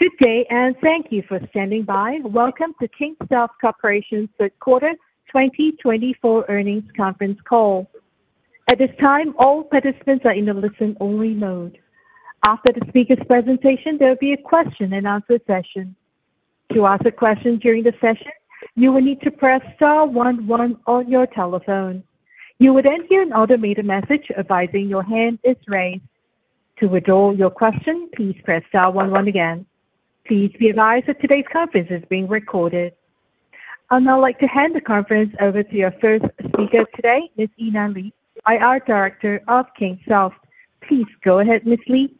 Good day, and thank you for standing by. Welcome to Kingsoft Corporation's third quarter 2024 earnings conference call. At this time, all participants are in a listen-only mode. After the speaker's presentation, there will be a question-and-answer session. To ask a question during the session, you will need to press star one-one on your telephone. You will then hear an automated message advising your hand is raised. To withdraw your question, please press star one-one again. Please be advised that today's conference is being recorded. I'd now like to hand the conference over to our first speaker today, Ms. Li Yinan, IR Director of Kingsoft. Please go ahead, Ms. Li.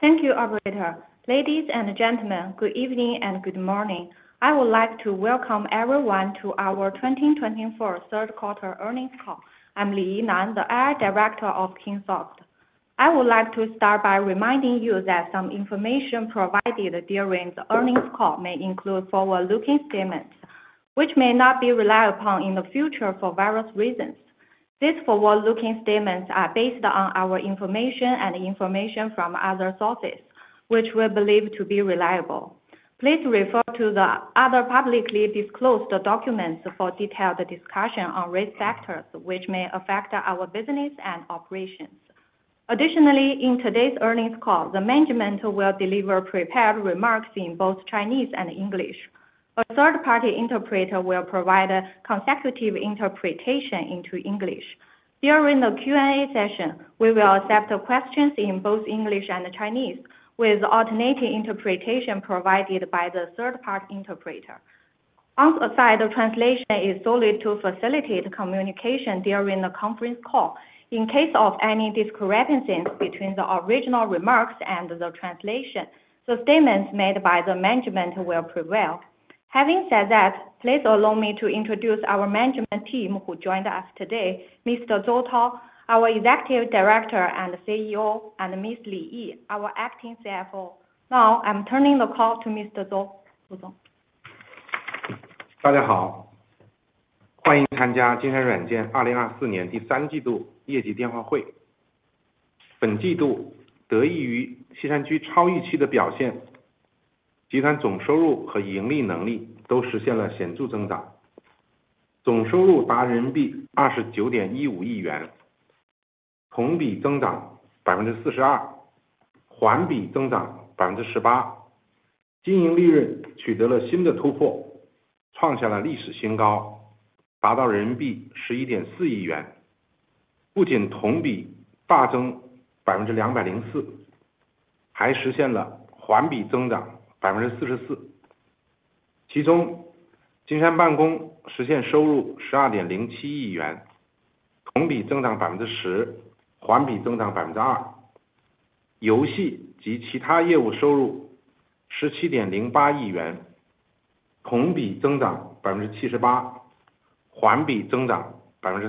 Thank you, Arvatha. Ladies and gentlemen, good evening and good morning. I would like to welcome everyone to our 2024 third quarter earnings call. I'm Li Yinan, the IR Director of Kingsoft. I would like to start by reminding you that some information provided during the earnings call may include forward-looking statements, which may not be relied upon in the future for various reasons. These forward-looking statements are based on our information and information from other sources, which we believe to be reliable. Please refer to the other publicly disclosed documents for detailed discussion on risk factors which may affect our business and operations. Additionally, in today's earnings call, the management will deliver prepared remarks in both Chinese and English. A third-party interpreter will provide consecutive interpretation into English. During the Q&A session, we will accept questions in both English and Chinese, with alternating interpretation provided by the third-party interpreter. Once aside, the translation is solely to facilitate communication during the conference call. In case of any discrepancies between the original remarks and the translation, the statements made by the management will prevail. Having said that, please allow me to introduce our management team who joined us today: Mr. Zhou Tao, our Executive Director and CEO, and Ms. Li Yi, our Acting CFO. Now, I'm turning the call to Mr. Zhou. Hello everyone,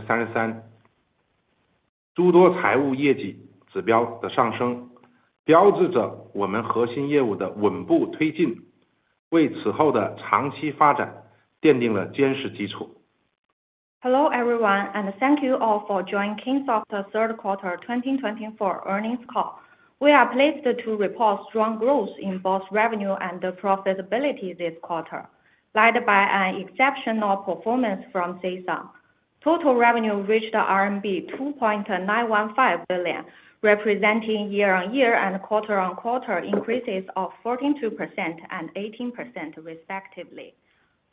and thank you all for joining Kingsoft's third quarter 2024 earnings call. We are pleased to report strong growth in both revenue and profitability this quarter, led by an exceptional performance from Seasun. Total revenue reached RMB 2.915 billion, representing year-on-year and quarter-on-quarter increases of 14% and 18%, respectively.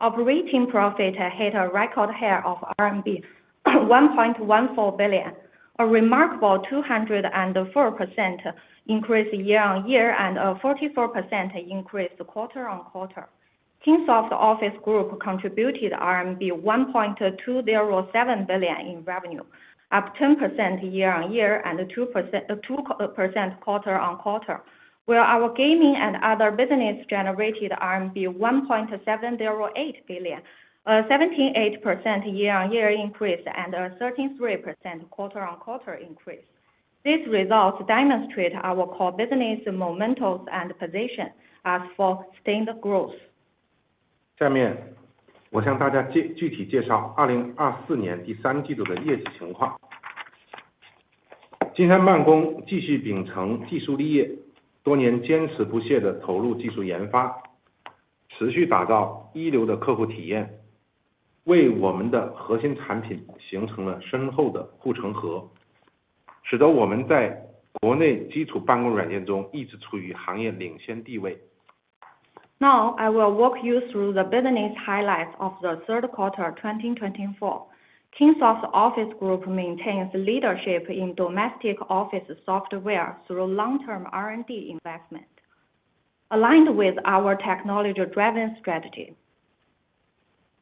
Operating profit hit a record high of RMB 1.14 billion, a remarkable 204% increase year-on-year and a 44% increase quarter-on-quarter. Kingsoft Office Group contributed RMB 1.207 billion in revenue, up 10% year-on-year and 2% quarter-on-quarter, while our gaming and other business generated RMB 1.708 billion, a 78% year-on-year increase and a 33% quarter-on-quarter increase. These results demonstrate our core business momentum and position us for sustained growth. Now, I will walk you through the business highlights of the third quarter 2024. Kingsoft Office Group maintains leadership in domestic office software through long-term R&D investment, aligned with our technology-driven strategy.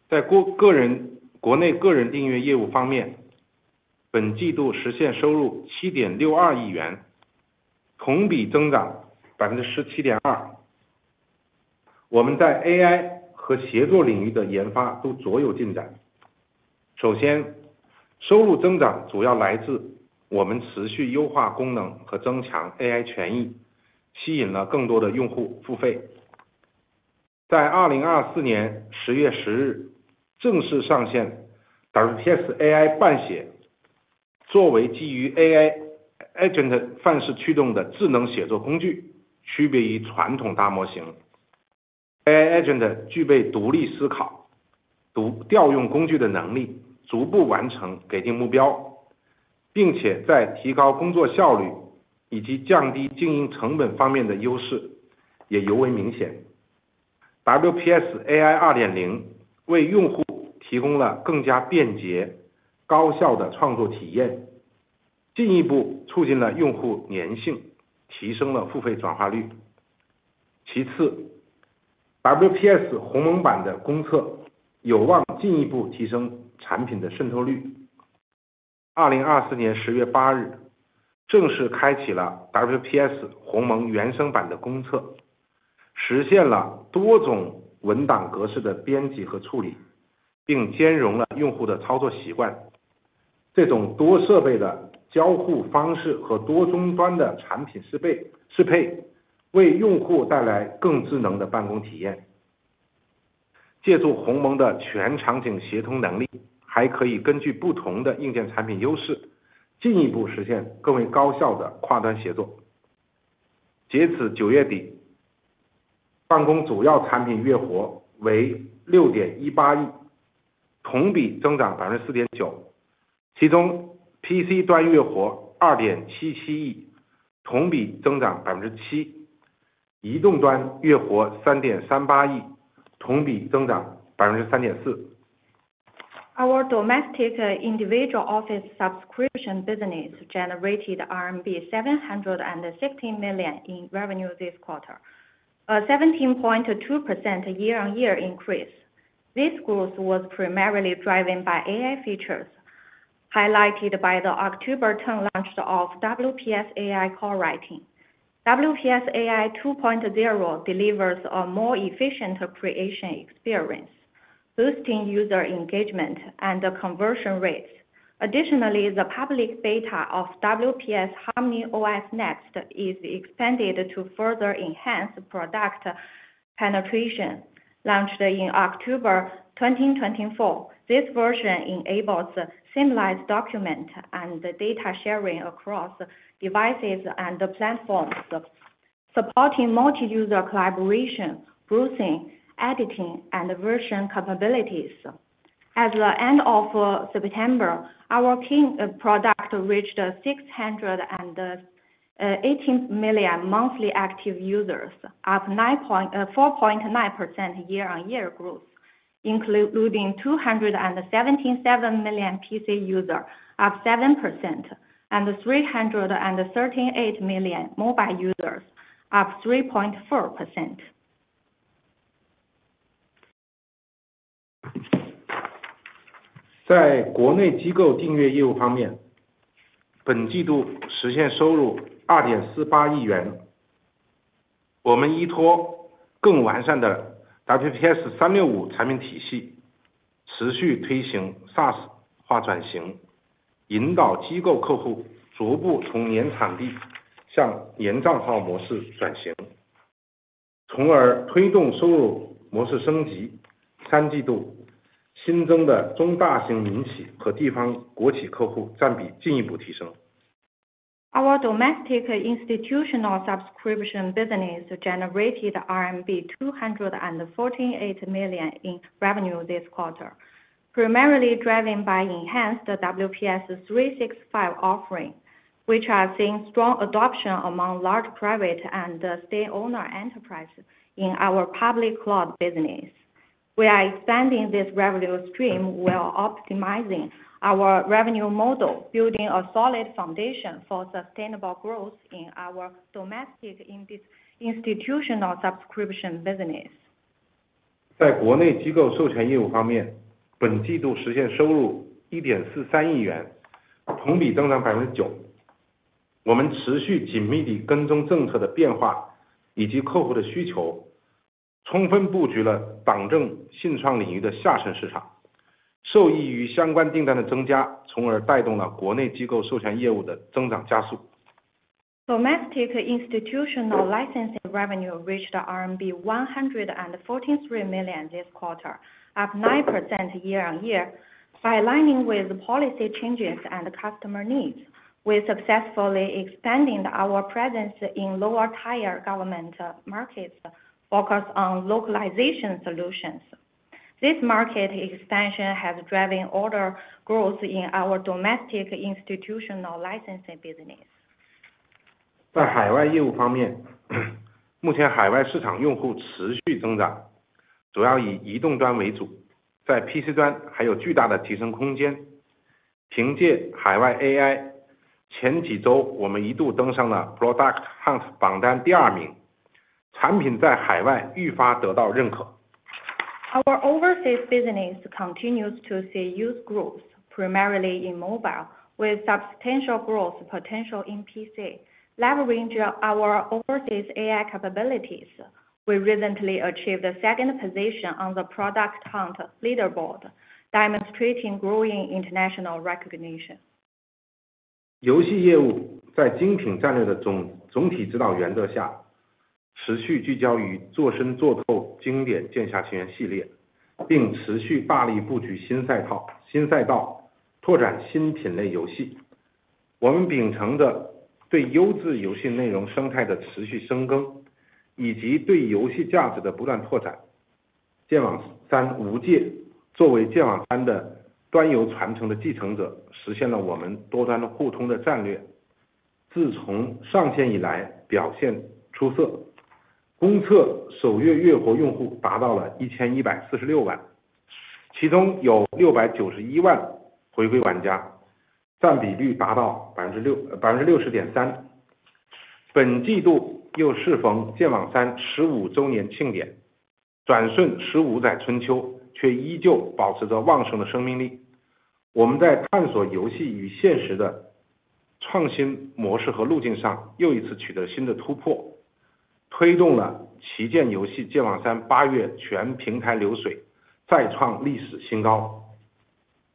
在国内个人订阅业务方面，本季度实现收入7.62亿元，同比增长17.2%。我们在AI和协作领域的研发都卓有进展。首先，收入增长主要来自我们持续优化功能和增强AI权益，吸引了更多的用户付费。在2024年10月10日，正式上线WPS AI 2.0，作为基于AI Agent范式驱动的智能写作工具，区别于传统大模型。AI Agent具备独立思考、调用工具的能力，逐步完成给定目标，并且在提高工作效率以及降低经营成本方面的优势也尤为明显。WPS AI 2.0为用户提供了更加便捷、高效的创作体验，进一步促进了用户粘性，提升了付费转化率。其次，WPS 鸿蒙版的公测有望进一步提升产品的渗透率。2024年10月8日，正式开启了WPS Our domestic individual office subscription business generated RMB 760 million in revenue this quarter, a 17.2% year-over-year increase. This growth was primarily driven by AI features, highlighted by the October 10 launch of WPS AI Co-writing. WPS AI 2.0 delivers a more efficient creation experience, boosting user engagement and conversion rates. Additionally, the public beta of WPS HarmonyOS Next is expanded to further enhance product penetration. Launched in October 2024, this version enables seamless document and data sharing across devices and platforms, supporting multi-user collaboration, browsing, editing, and version capabilities. At the end of September, our Kingsoft product reached 618 million monthly active users, up 4.9% year-over-year growth, including 277 million PC users, up 7%, and 338 million mobile users, up 3.4%. 在国内机构订阅业务方面，本季度实现收入¥2.48亿元。我们依托更完善的WPS 365产品体系，持续推行SaaS化转型，引导机构客户逐步从年产地向年账号模式转型，从而推动收入模式升级。三季度，新增的中大型民企和地方国企客户占比进一步提升。Our domestic institutional subscription business generated RMB 248 million in revenue this quarter, primarily driven by enhanced WPS 365 offering, which has seen strong adoption among large private and state-owned enterprises in our public cloud business. We are expanding this revenue stream while optimizing our revenue model, building a solid foundation for sustainable growth in our domestic institutional subscription business. Domestic institutional licensing revenue reached RMB 143 million this quarter, up 9% year-on-year, aligning with policy changes and customer needs. We successfully expanded our presence in lower-tier government markets focused on localization solutions. This market expansion has driven order growth in our domestic institutional licensing business. 在海外业务方面，目前海外市场用户持续增长，主要以移动端为主。在PC端还有巨大的提升空间。凭借海外AI，前几周我们一度登上了Product Hunt榜单第二名，产品在海外愈发得到认可。Our overseas business continues to see huge growth, primarily in mobile, with substantial growth potential in PC. Leveraging our overseas AI capabilities, we recently achieved second position on the Product Hunt leaderboard, demonstrating growing international recognition.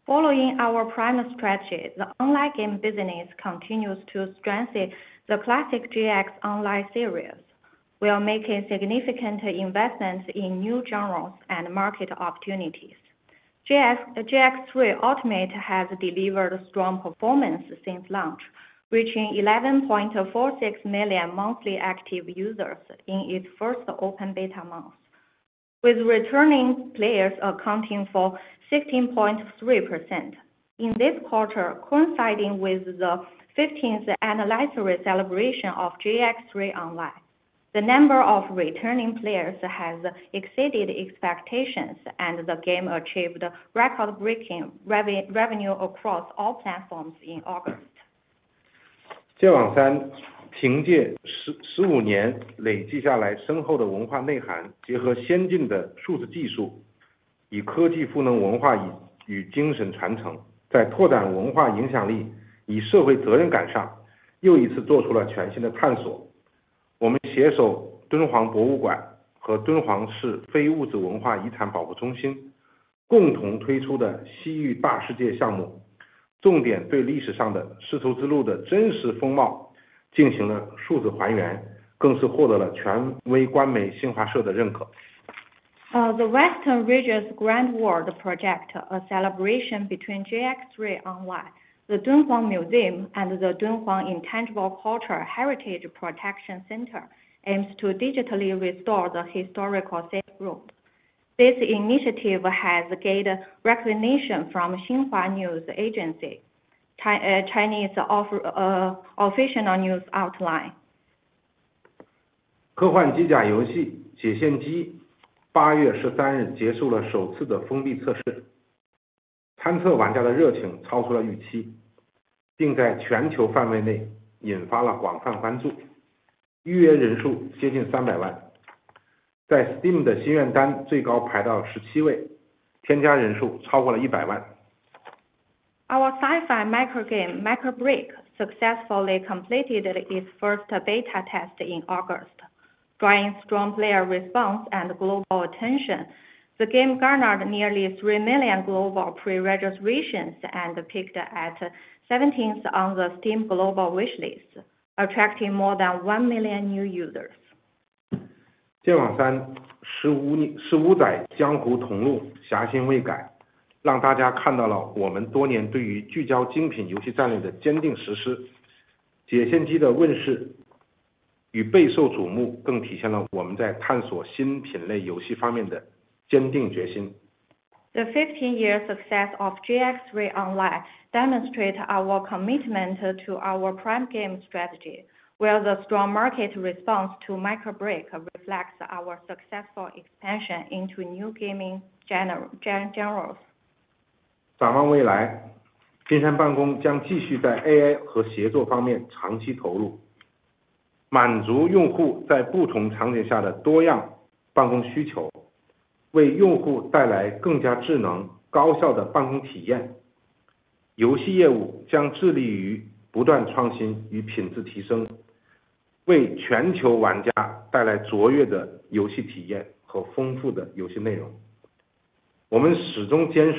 Following our prime strategy, the online game business continues to strengthen the classic JX Online series. We are making significant investments in new genres and market opportunities. JX3 Ultimate has delivered strong performance since launch, reaching 11.46 million monthly active users in its first open beta month, with returning players accounting for 16.3%. In this quarter, coinciding with the 15th anniversary celebration of JX3 Online, the number of returning players has exceeded expectations, and the game achieved record-breaking revenue across all platforms in August. The Western Regions Grand World Project, a collaboration between JX3 Online, the Dunhuang Museum, and the Dunhuang Intangible Cultural Heritage Protection Center, aims to digitally restore the historical Silk Route. This initiative has gained recognition from Xinhua News Agency, China's official news outlet. 科幻机甲游戏《铁线机》8月13日结束了首次的封闭测试，参测玩家的热情超出了预期，并在全球范围内引发了广泛关注，预约人数接近300万。在Steam的心愿单最高排到17位，添加人数超过了100万。Our sci-fi microgame "Mecha BREAK" successfully completed its first beta test in August. Drawing strong player response and global attention, the game garnered nearly 3 million global pre-registrations and peaked at 17th on the Steam Global Wishlist, attracting more than 1 million new users. 剑网三十五载江湖同路，侠心未改，让大家看到了我们多年对于聚焦精品游戏战略的坚定实施。《铁线机》的问世与备受瞩目，更体现了我们在探索新品类游戏方面的坚定决心。The 15-year success of JX3 Online demonstrates our commitment to our prime game strategy, where the strong market response to "Mecha BREAK" reflects our successful expansion into new gaming genres. 展望未来，金山办公将继续在AI和协作方面长期投入，满足用户在不同场景下的多样办公需求，为用户带来更加智能、高效的办公体验。游戏业务将致力于不断创新与品质提升，为全球玩家带来卓越的游戏体验和丰富的游戏内容。我们始终坚守用户第一、技术立业、坚持创新的理念，从而为我们的客户、股东和员工持续创造价值。接下来有请CFO李毅为大家介绍2024年三季度财务业绩，谢谢。Looking ahead,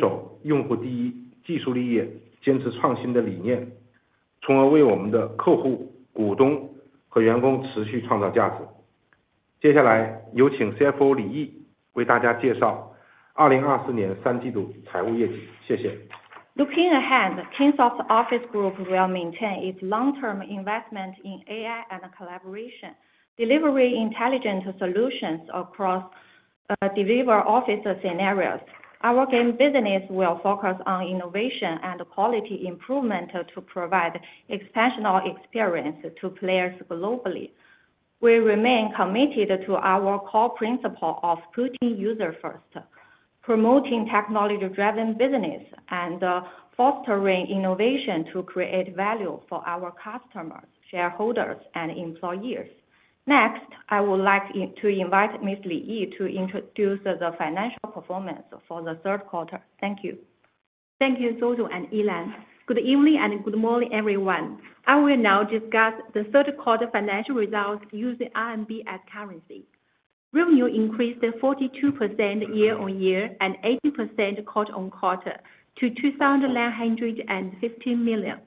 Kingsoft Office Group will maintain its long-term investment in AI and collaboration, delivering intelligent solutions across diverse office scenarios. Our game business will focus on innovation and quality improvement to provide expanded experience to players globally. We remain committed to our core principle of putting users first, promoting technology-driven business, and fostering innovation to create value for our customers, shareholders, and employees. Next, I would like to invite Ms. Li Yi to introduce the financial performance for the third quarter. Thank you. Thank you, Zou zou and Li Yi. Good evening and good morning, everyone. I will now discuss the third quarter financial results using RMB as currency. Revenue increased 42% year-on-year and 8% quarter-on-quarter to 2,915 million.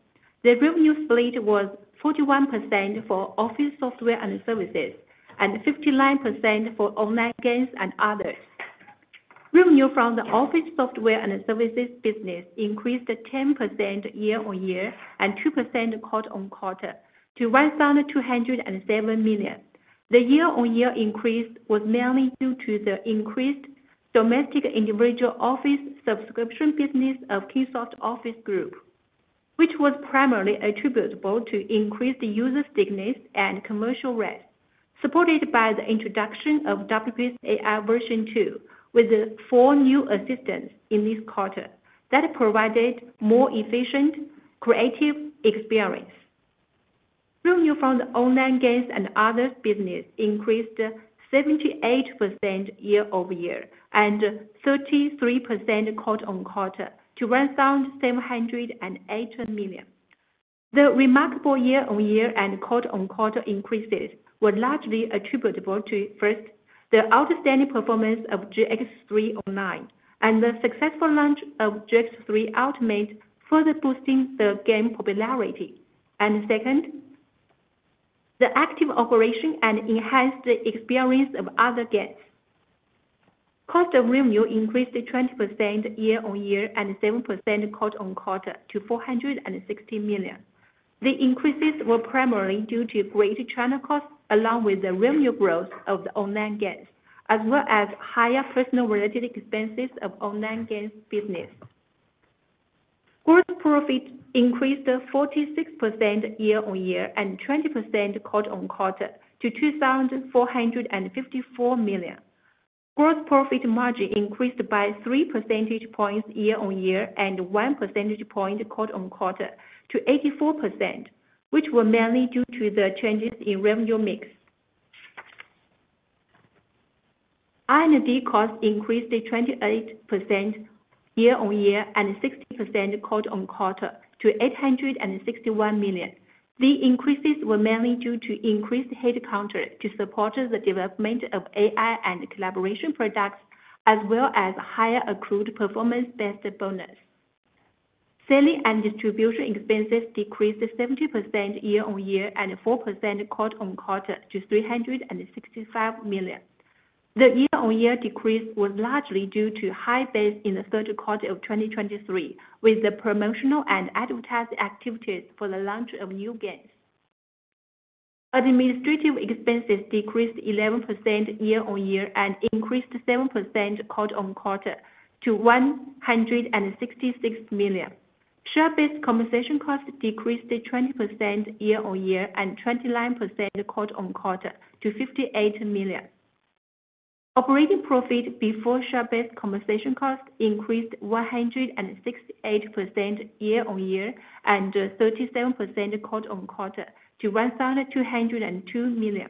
The revenue split was 41% for office software and services and 59% for online games and others. Revenue from the office software and services business increased 10% year-on-year and 2% quarter-on-quarter to 1,207 million. The year-on-year increase was mainly due to the increased domestic individual office subscription business of Kingsoft Office Group, which was primarily attributable to increased user stickiness and commercial growth, supported by the introduction of WPS AI Version 2 with four new assistants in this quarter that provided a more efficient, creative experience. Revenue from the online games and others business increased 78% year-on-year and 33% quarter-on-quarter to 1,708 million. The remarkable year-on-year and quarter-on-quarter increases were largely attributable to, first, the outstanding performance of JX3 Online and the successful launch of JX3 Ultimate, further boosting the game popularity; and second, the active operation and enhanced experience of other games. Cost of revenue increased 20% year-on-year and 7% quarter-on-quarter to 460 million. The increases were primarily due to greater channel costs along with the revenue growth of the online games, as well as higher personnel-related expenses of online games business. Gross profit increased 46% year-on-year and 20% quarter-on-quarter to 2,454 million. Gross profit margin increased by 3 percentage points year-on-year and 1 percentage point quarter-on-quarter to 84%, which were mainly due to the changes in revenue mix. R&D costs increased 28% year-on-year and 6% quarter-on-quarter to 861 million. The increases were mainly due to increased headcount to support the development of AI and collaboration products, as well as higher accrued performance-based bonus. Selling and distribution expenses decreased 7% year-on-year and 4% quarter-on-quarter to 365 million. The year-on-year decrease was largely due to high base in the third quarter of 2023, with promotional and advertising activities for the launch of new games. Administrative expenses decreased 11% year-on-year and increased 7% quarter-on-quarter to 166 million. Share-based compensation costs decreased 20% year-on-year and 29% quarter-on-quarter to 58 million. Operating profit before share-based compensation costs increased 168% year-on-year and 37% quarter-on-quarter to 1,202 million.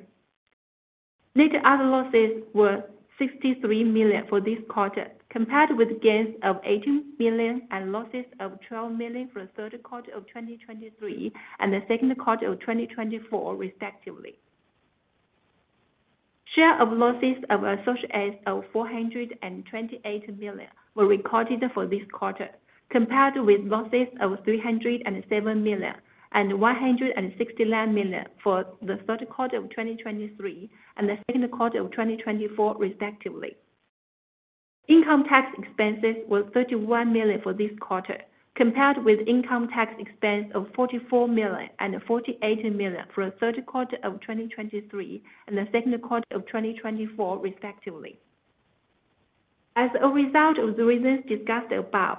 Net asset losses were 63 million for this quarter, compared with gains of 18 million and losses of 12 million for the third quarter of 2023 and the second quarter of 2024, respectively. Share of losses of associates of 428 million were recorded for this quarter, compared with losses of 307 million and 169 million for the third quarter of 2023 and the second quarter of 2024, respectively. Income tax expenses were 31 million for this quarter, compared with income tax expense of 44 million and 48 million for the third quarter of 2023 and the second quarter of 2024, respectively. As a result of the reasons discussed above,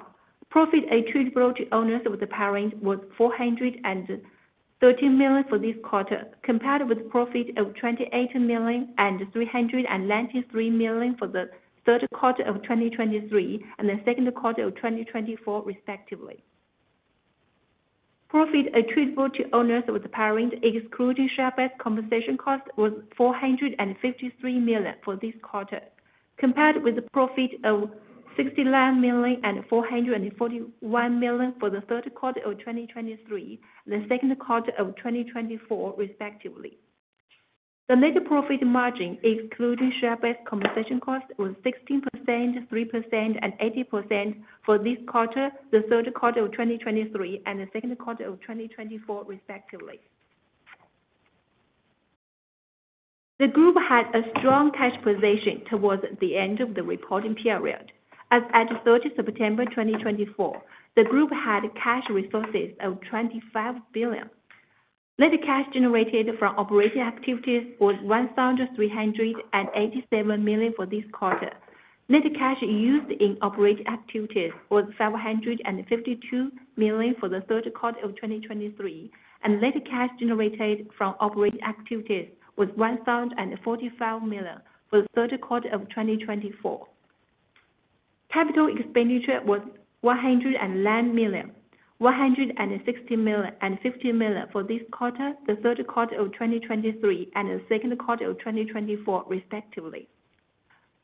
profit attributable to owners of the parent was 430 million for this quarter, compared with profit of 28 million and 393 million for the third quarter of 2023 and the second quarter of 2024, respectively. Profit attributable to owners of the parent, excluding share-based compensation costs, was 453 million for this quarter, compared with profit of 69 million and 441 million for the third quarter of 2023 and the second quarter of 2024, respectively. The net profit margin, excluding share-based compensation costs, was 16%, 3%, and 8% for this quarter, the third quarter of 2023, and the second quarter of 2024, respectively. The group had a strong cash position towards the end of the reporting period. As at September 30, 2024, the group had cash resources of 25 billion. Net cash generated from operating activities was 1,387 million for this quarter. Net cash used in operating activities was 552 million for the third quarter of 2023, and net cash generated from operating activities was 1,045 million for the second quarter of 2024. Capital expenditure was 109 million, 160 million and 50 million for this quarter, the third quarter of 2023, and the second quarter of 2024, respectively.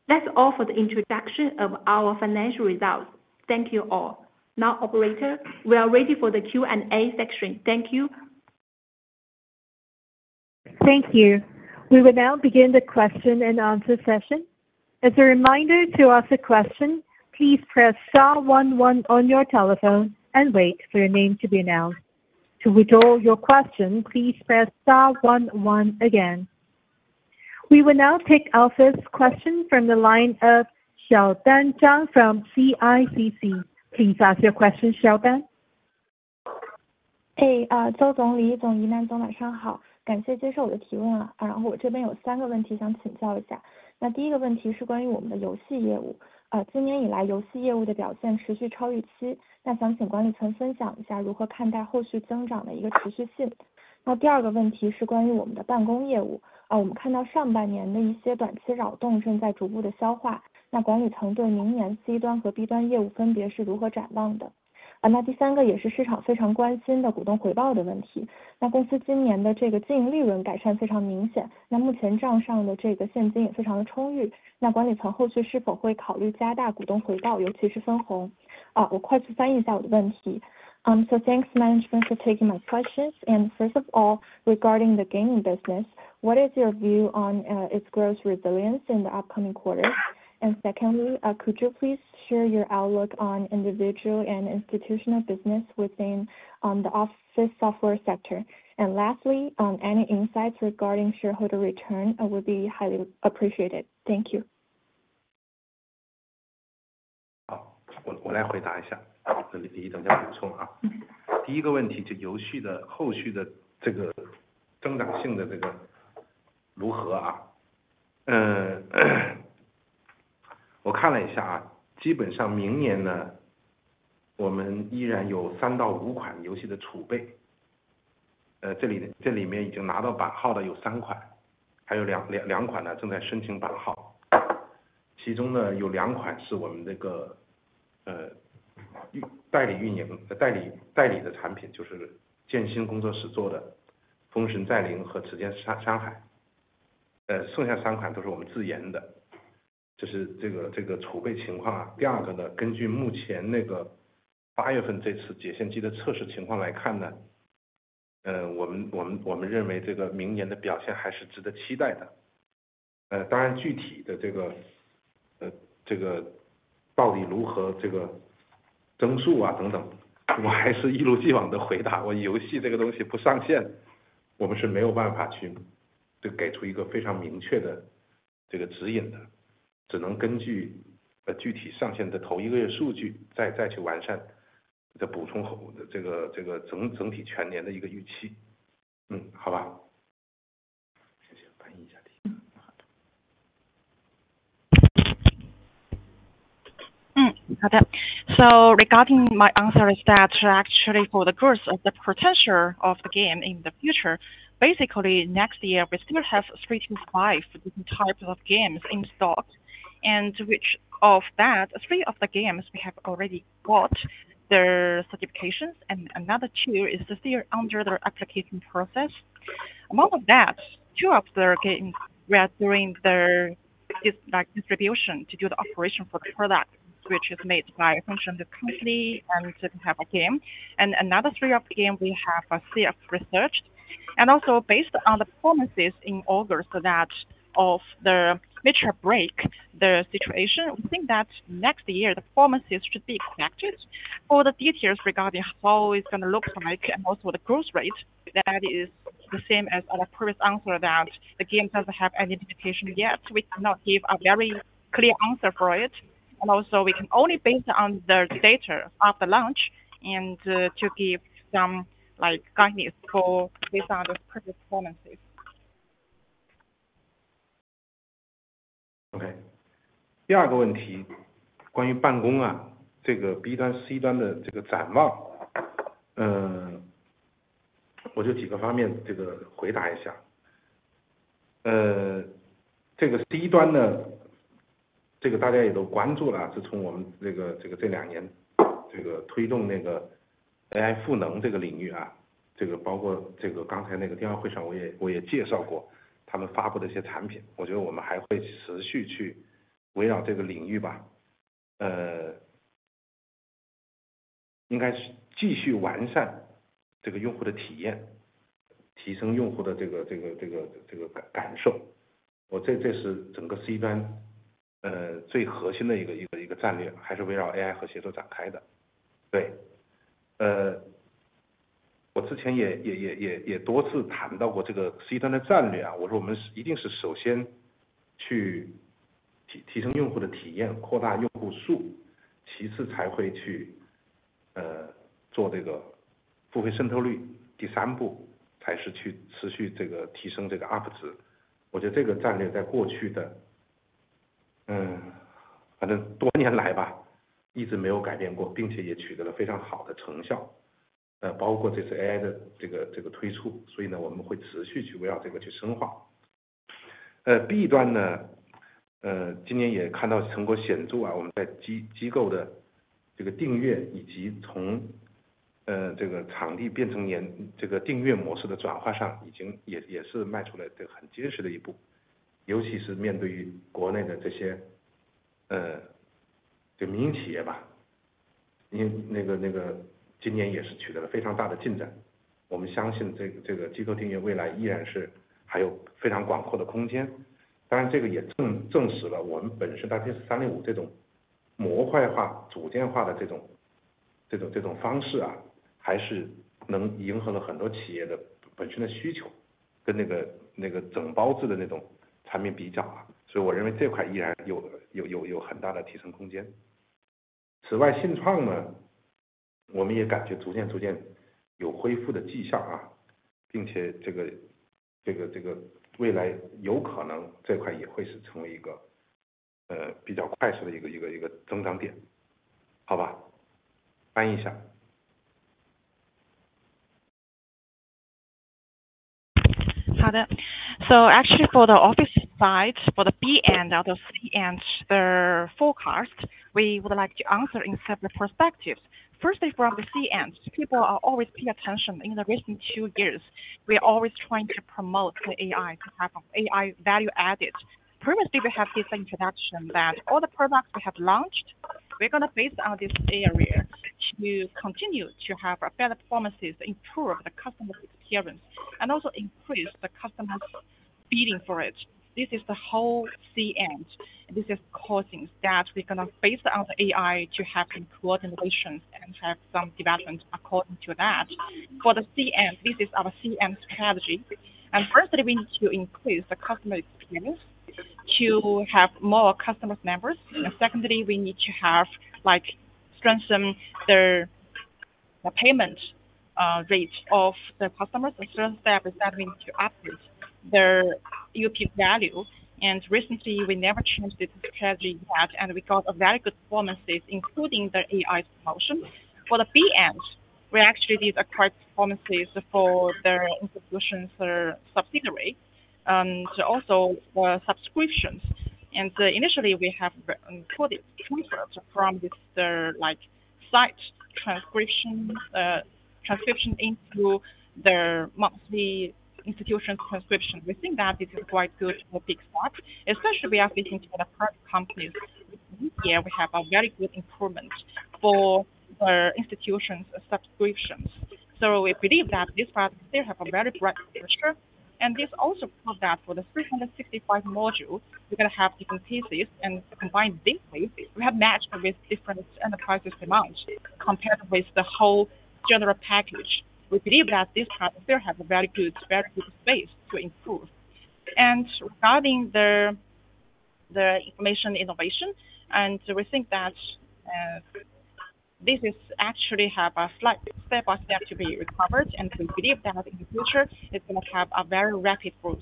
That's all for the introduction of our financial results. Thank you all. Now, operator, we are ready for the Q&A section. Thank you. Thank you. We will now begin the question and answer session. As a reminder to ask a question, please press star one-one on your telephone and wait for your name to be announced. To withdraw your question, please press star one-one again. We will now take our first question from the line of Xiaodan Zhang from CICC. Please ask your question, Xiaodan. So thanks, management, for taking my questions. First of all, regarding the gaming business, what is your view on its growth resilience in the upcoming quarters? Secondly, could you please share your outlook on individual and institutional business within the office software sector? Lastly, any insights regarding shareholder return would be highly appreciated. Thank you. Okay. So regarding my answer is that actually for the growth of the potential of the game in the future, basically next year we still have three to five different types of games in stock, of which three of the games we have already got their certifications and another two are still under their application process. Among those, two of the games were during their distribution to do the operation for the product, which is made by Feng Sheng Company and we have a game, and another three of the games we have in our research. Also based on the performances in August of the mid-share break situation, we think that next year the performances should be corrected. For the details regarding how it's going to look like and also the growth rate, that is the same as our previous answer that the game doesn't have any limitation yet. We cannot give a very clear answer for it, and we can only base it on the data after launch to give some guidance based on the previous performances. 好的，第二个问题关于办公，这个B端C端的展望。我从几个方面回答一下。此外，信创我们也感觉逐渐有恢复的迹象，并且未来有可能这块也会成为一个比较快速的增长点。Okay, so actually for the office side, for the B and the C and the full cost, we would like to answer in several perspectives. Firstly, from the C end, people are always paying attention in the recent two years. We are always trying to promote the AI to have AI value added. Previously, we have this introduction that all the products we have launched, we're going to base on this area to continue to have better performances, improve the customer experience, and also increase the customer's bidding for it. This is the whole C end, and this is causing that we're going to base on the AI to have improved innovations and have some developments according to that. For the C end, this is our C end strategy. Firstly, we need to increase the customer experience to have more customers' members. Secondly, we need to strengthen their payment rate of the customers. The third step is that we need to update their UP value. Recently, we never changed this strategy yet, and we got very good performances, including the AI promotion. For the B end, we actually did acquire performances for the institutions or subsidiary, and also for subscriptions. Initially, we have recorded transfers from their site transcription into their monthly institution transcription. We think that this is quite good for big start, especially we are facing for the private companies. This year, we have a very good improvement for the institutions subscriptions. So we believe that this product still has a very bright future. This also proved that for the 365 modules, we're going to have different pieces and combine them with we have matched with different enterprises amounts compared with the whole general package. We believe that this product still has a very good space to improve. Regarding the information innovation, we think that this is actually having a slight step by step to be recovered, and we believe that in the future it's going to have a very rapid growth.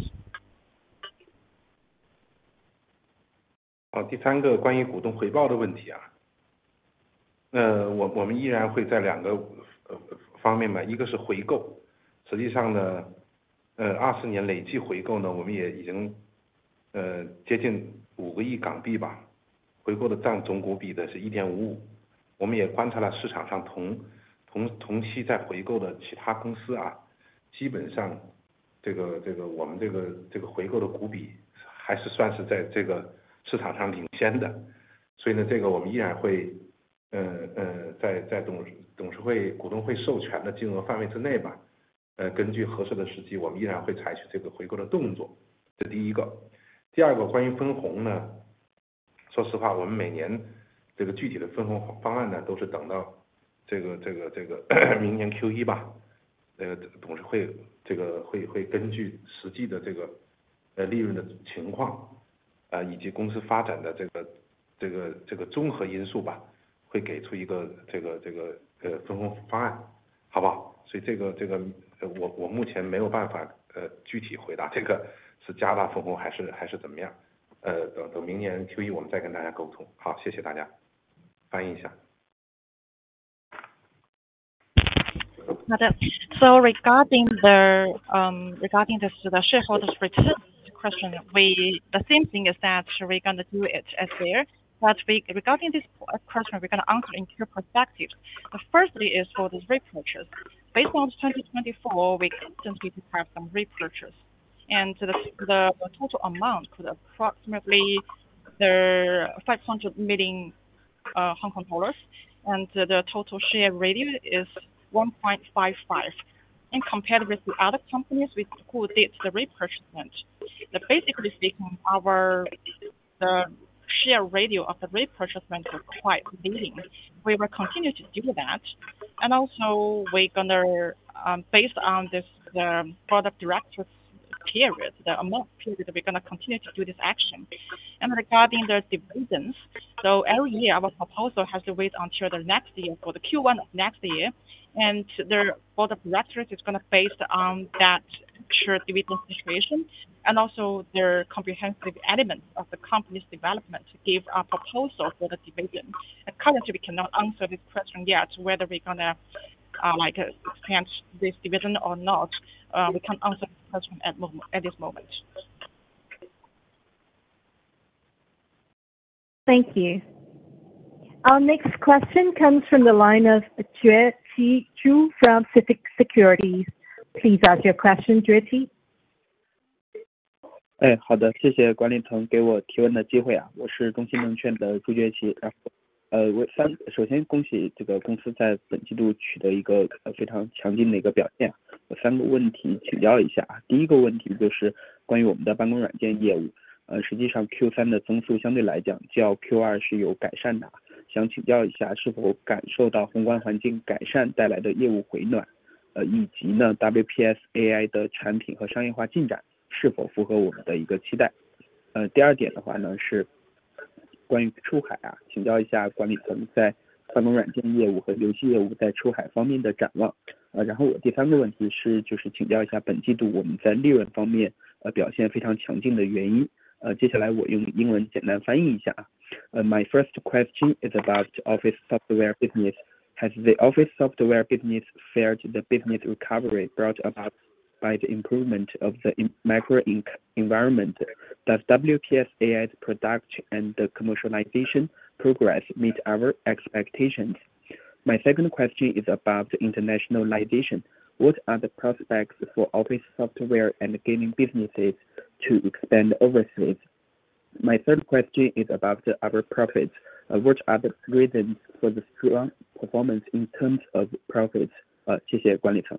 第二个关于分红，说实话，我们每年具体的分红方案都是等到明年Q1，董事会会根据实际的利润情况以及公司发展的综合因素，会给出一个分红方案。所以我目前没有办法具体回答是加大分红还是怎么样，等明年Q1我们再跟大家沟通。好，谢谢大家。Regarding the shareholders return question, we are going to do it as there, but regarding this question, we are going to answer in two perspectives. Firstly is for the repurchase. Based on 2024, we have some repurchase, and the total amount could approximately be HK$500 million, and the total share value is 1.55. Compared with the other companies we could did the repurchasement, basically speaking, our share value of the repurchasement was quite leading. We will continue to do that, and also we are going to based on this product directors period, the amount period, we are going to continue to do this action. Regarding the dividends, every year our proposal has to wait until the next year for the Q1 of next year, and the product directors is going to base on that share dividend situation and also the comprehensive elements of the company's development to give a proposal for the division. Currently, we cannot answer this question yet whether we are going to expand this division or not, we cannot answer this question at this moment. Thank you. Our next question comes from the line of Jueqi Zhu from CITIC Securities. Please ask your question, Jueqi. 好的，谢谢管理层给我提问的机会。我是中兴证券的朱觉琪，首先恭喜公司在本季度取得非常强劲的表现。我有三个问题请教一下。第一个问题就是关于我们的办公软件业务，实际上Q3的增速相对来讲较Q2是有改善的，想请教一下是否感受到宏观环境改善带来的业务回暖，以及WPS AI的产品和商业化进展是否符合我们的期待。第二点是关于出海，请教一下管理层在传统软件业务和游戏业务在出海方面的展望。第三个问题是请教一下本季度我们在利润方面表现非常强劲的原因。接下来我用英文简单翻译一下。My first question is about office software business. Has the office software business fared the business recovery brought about by the improvement of the micro environment? Does WPS AI's product and the commercialization progress meet our expectations? My second question is about internationalization. What are the prospects for office software and gaming businesses to expand overseas? My third question is about our profits. What are the reasons for the strong performance in terms of profits? 谢谢管理层。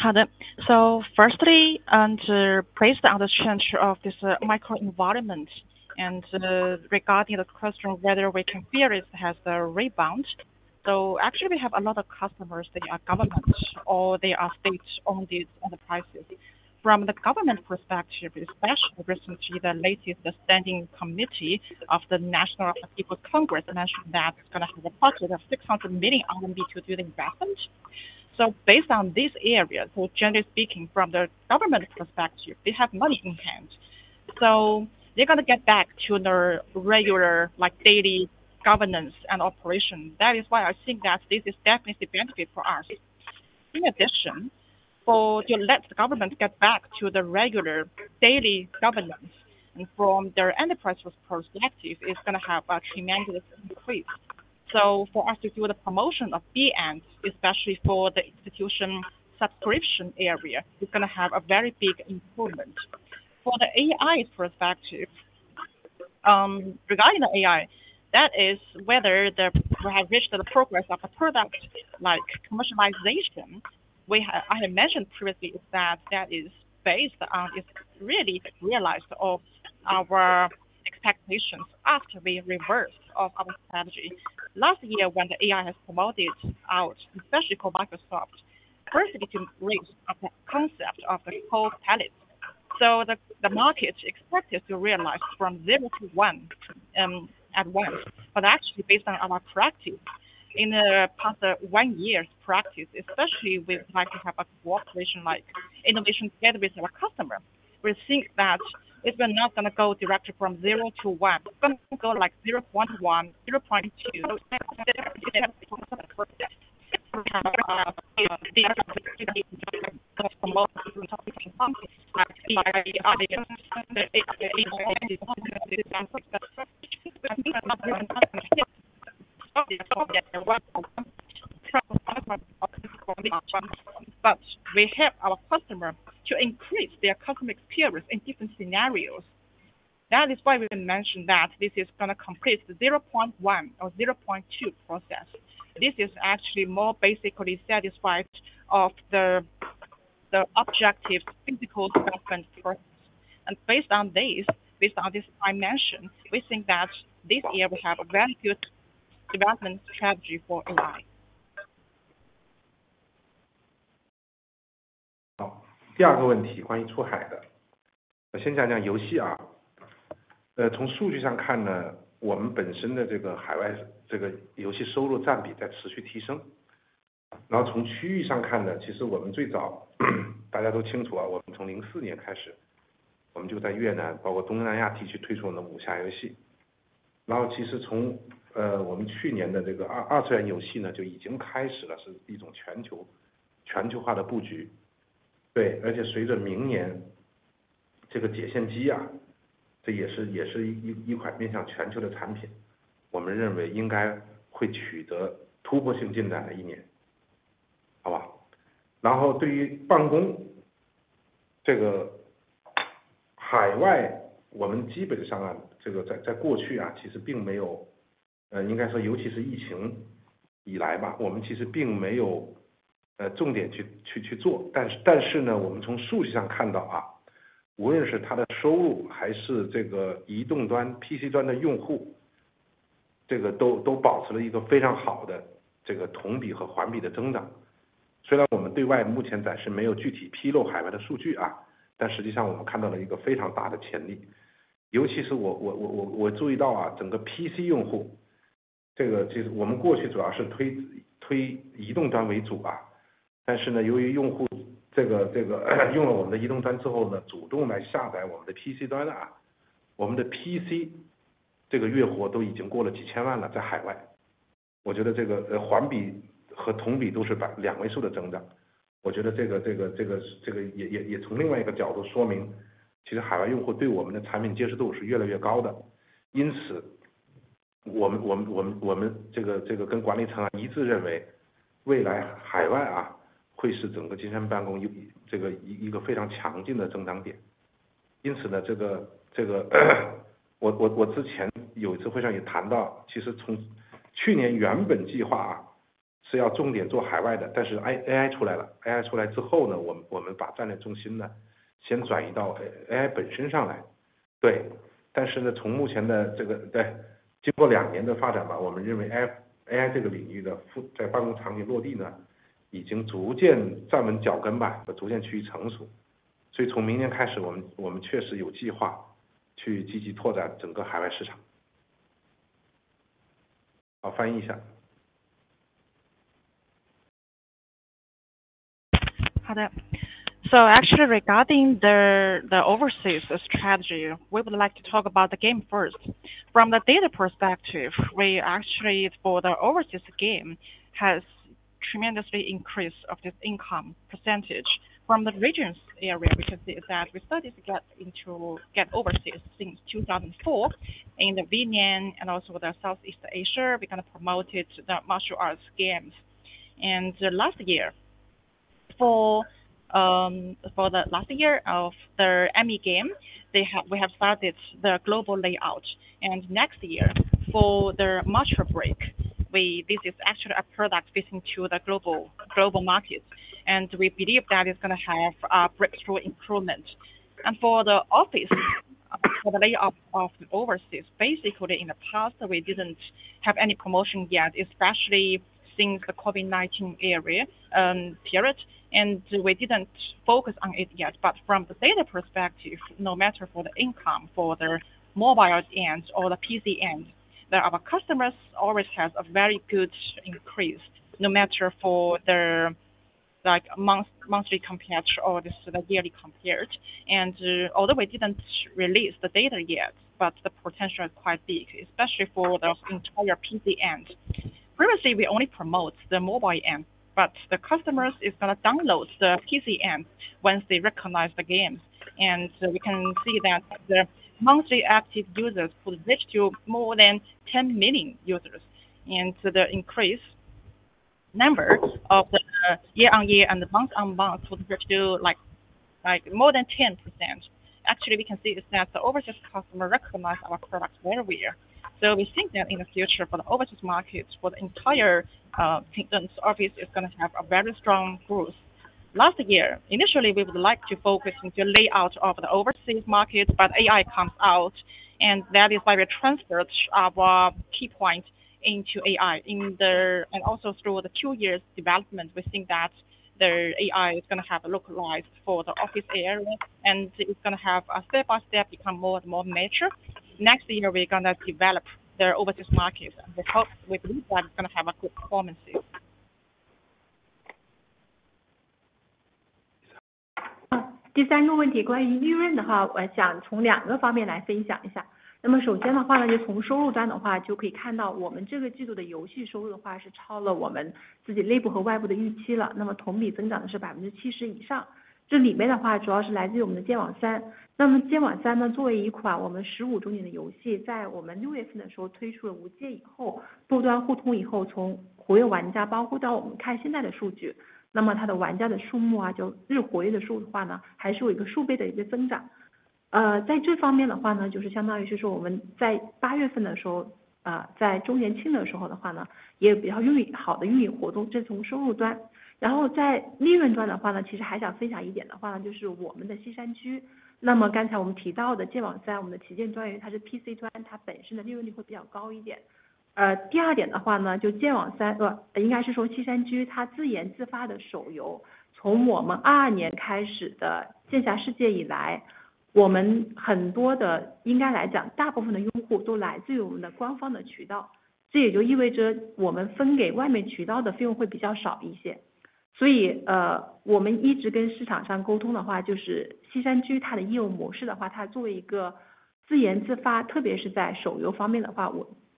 好的，so firstly and praise the understand of this micro environment and regarding the question whether we can fear it has the rebound. Actually we have a lot of customers, they are government or they are state owned enterprises. From the government perspective, especially recently the latest standing committee of the National People's Congress mentioned that it's going to have a budget of ¥600 million to do the investment. Based on this area, generally speaking from the government perspective, they have money in hand, so they're going to get back to their regular daily governance and operation. That is why I think that this is definitely the benefit for us. In addition, to let the government get back to the regular daily governance and from their enterprise perspective, it's going to have a tremendous increase. For us to do the promotion of B end, especially for the institution subscription area, it's going to have a very big improvement. For the AI perspective, regarding the AI, that is whether we have reached the progress of a product like commercialization. I had mentioned previously that is based on is really realized of our expectations after we reversed of our strategy. Last year when the AI has promoted out, especially for Microsoft, firstly to raise of the concept of the whole palette. The market expected to realize from zero to one at once, but actually based on our practice in the past one year's practice, especially we'd like to have a cooperation like innovation together with our customer. We think that if we're not going to go directly from zero to one, go like 0.1, 0.2, but we help our customer to increase their customer experience in different scenarios. That is why we can mention that this is going to complete the 0.1 or 0.2 process. This is actually more basically satisfied of the objectives, physical development process. Based on this I mentioned, we think that this year we have a very good development strategy for AI. 好的，so actually regarding the overseas strategy, we would like to talk about the game first. From the data perspective, we actually for the overseas game has tremendously increased of this income percentage. From the regions area, we can see that we studies get into overseas since 2004 in the VN and also the Southeast Asia, we're going to promote it to the martial arts games. Last year for the Anime game, we have started the global layout. Next year for the Mecha BREAK, this is actually a product fitting to the global market, and we believe that it's going to have a breakthrough improvement. For the layout of the overseas, basically in the past we didn't have any promotion yet, especially since the COVID-19 period, and we didn't focus on it yet. But from the data perspective, no matter for the income for the mobile end or the PC end, our customers always has a very good increase no matter for their monthly compared or the yearly compared. Although we didn't release the data yet, but the potential is quite big, especially for the entire PC end. Previously we only promote the mobile end, but the customers is going to download the PC end once they recognize the game. We can see that the monthly active users could reach to more than 10 million users, and the increase number of the year on year and the month on month could reach to more than 10%. Actually we can see is that the overseas customer recognize our product very well. So we think that in the future for the overseas market, for the entire kingdoms office is going to have a very strong growth. Last year initially we would like to focus into the layout of the overseas market, but AI comes out and that is why we transferred our key point into AI and also through the two years development. We think that the AI is going to have a localized for the office area and it's going to step by step become more and more mature. Next year we're going to develop the overseas market and we hope we believe that it's going to have a good performance.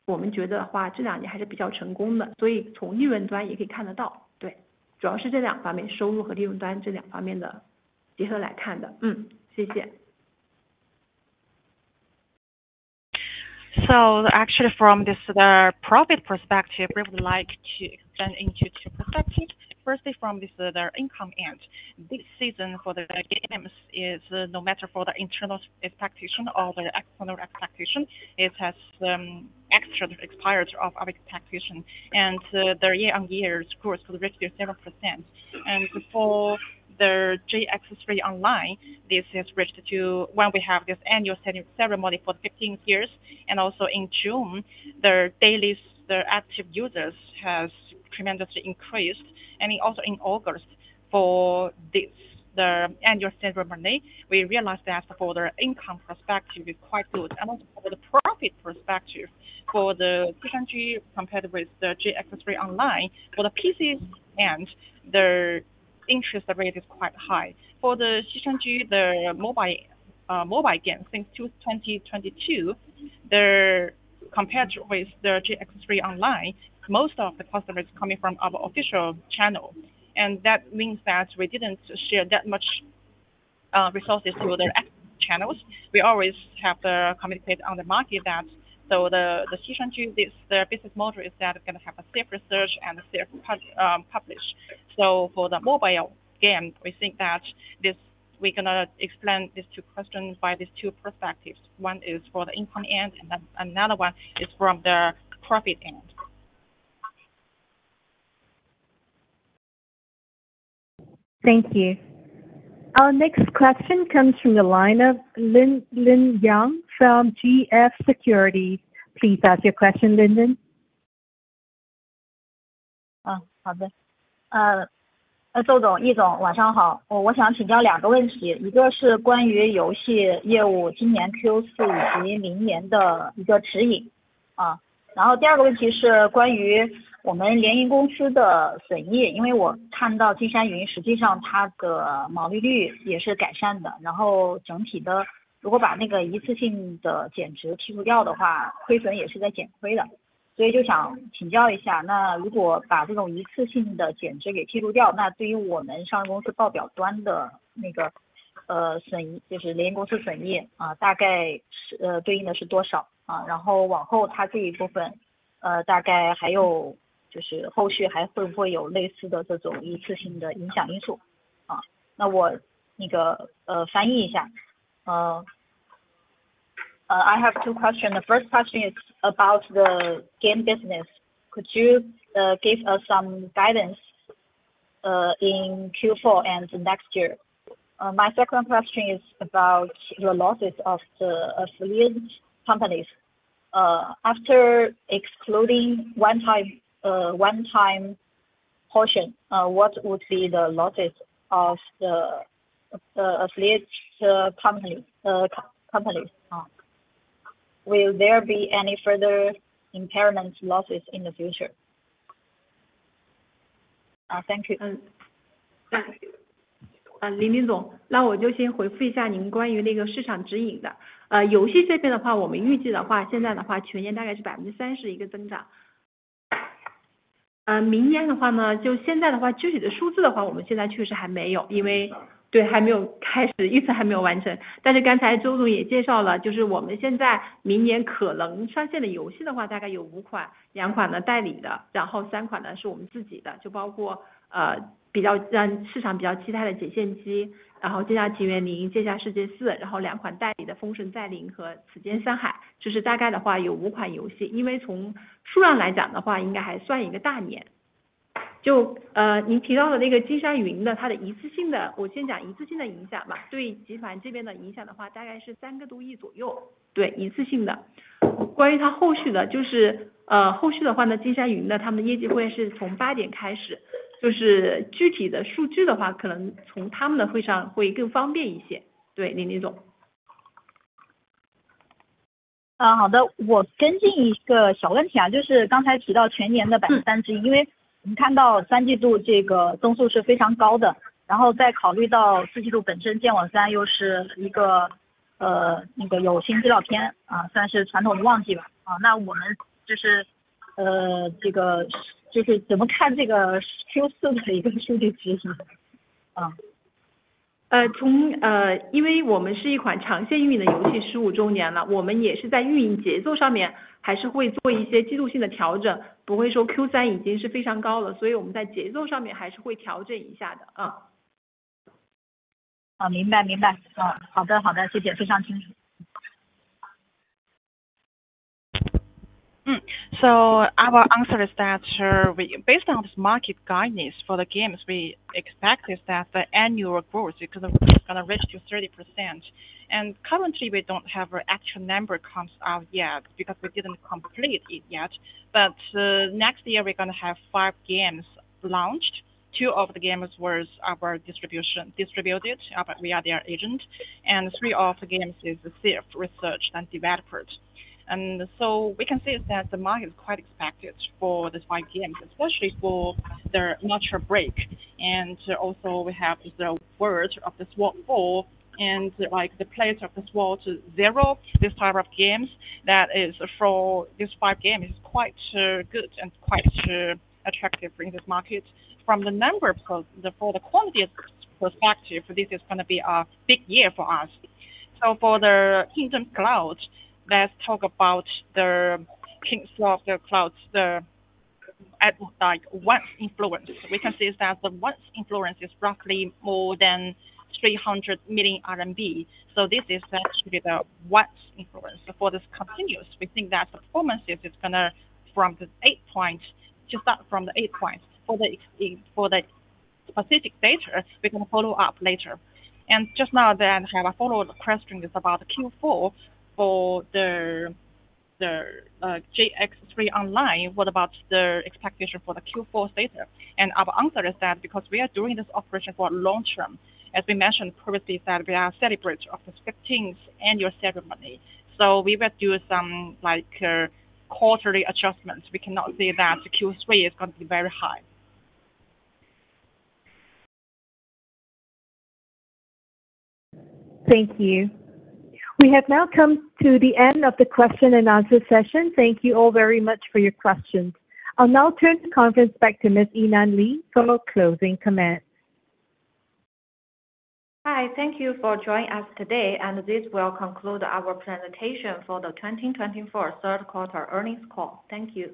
From the profit perspective, we would like to expand into two perspectives. Firstly, from the income end, this season for the games, no matter for the internal expectation or the external expectation, it has exceeded our expectation and the year-on-year growth could reach 7%. For JX3 Online, this has reached when we have this annual ceremony for the 15 years. Also in June, the daily active users has tremendously increased. Also in August for this annual ceremony, we realized that for the income perspective is quite good. Also for the profit perspective for CG compared with JX3 Online, for the PC end, the interest rate is quite high. For CG, the mobile game since 2022, compared with JX3 Online, most of the customers coming from our official channel. That means that we didn't share that much resources to the channels. We always have the communicate on the market that CG, this business model is that it's going to have safe research and safe publish. For the mobile game, we think that we're going to explain these two questions by these two perspectives. One is for the income end and another one is from the profit end. Thank you. Our next question comes from the line of Lin Lin Yang from GF Securities. Please ask your question, Lin Lin. I have two questions. The first question is about the game business. Could you give us some guidance in Q4 and next year? My second question is about the losses of the affiliate companies. After excluding one time portion, what would be the losses of the affiliate companies? Will there be any further impairment losses in the future? Thank you. So our answer is that we based on this market guidance for the games, we expect that the annual growth is going to reach 30%, and currently we don't have an actual number comes out yet because we didn't complete it yet, but next year we're going to have five games launched. Two of the games was our distribution distributed, but we are their agent, and three of the games is safe research and developers. We can see that the market is quite expected for the five games, especially for their natural break, and also we have the Word of the Sword Four, and like the Place of the Sword Zero. This type of games for these five games is quite good and quite attractive for this market. From the number of the quantity perspective, this is going to be a big year for us. For the Kingsoft Cloud, let's talk about the King of the Clouds, the like once influence. We can see that the once influence is roughly more than ¥300 million. This is actually the once influence for this continuous. We think that the performance is going to from the eight points to start from the eight points. For the specific data, we're going to follow up later. Just now I have a follow-up question about Q4 for the JX3 Online. What about the expectation for the Q4 data? Our answer is that because we are doing this operation for a long term, as we mentioned previously, that we are celebrating of the 15th annual ceremony. We will do some like quarterly adjustments. We cannot say that Q3 is going to be very high. Thank you. We have now come to the end of the question and answer session. Thank you all very much for your questions. I'll now turn the conference back to Ms. Yinan Li for closing comments. Hi, thank you for joining us today, and this will conclude our presentation for the 2024 third quarter earnings call. Thank you.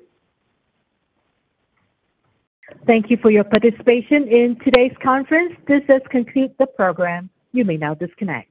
Thank you for your participation in today's conference. This has completed the program. You may now disconnect.